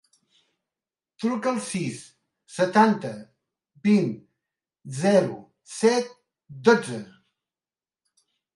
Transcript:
Truca al sis, setanta, vint, zero, set, dotze.